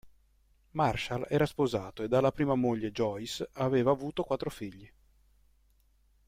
Marshall era sposato e dalla prima moglie Joyce aveva avuto quattro figli.